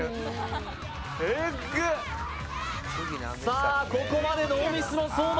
さあ、ここまでノーミスの相馬。